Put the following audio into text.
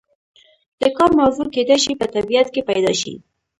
د کار موضوع کیدای شي په طبیعت کې پیدا شي.